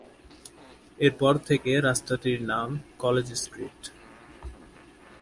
এর পর থেকে রাস্তাটির নাম কলেজ স্ট্রিট।